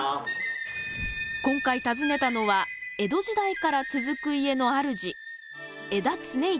今回訪ねたのは江戸時代から続く家の主江田常一さん。